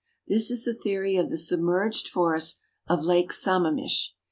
This is the theory of the submerged forest of Lake Samamish.